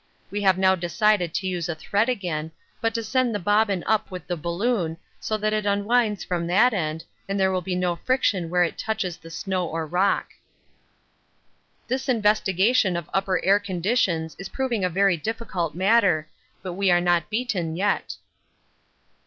We have now decided to use a thread again, but to send the bobbin up with the balloon, so that it unwinds from that end and there will be no friction where it touches the snow or rock. This investigation of upper air conditions is proving a very difficult matter, but we are not beaten yet.